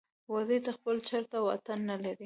وزې د خپل چرته واټن نه لري